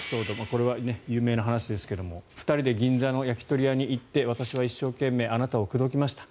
これは有名ですが２人で銀座の焼き鳥屋に行って私は一生懸命あなたを口説きました。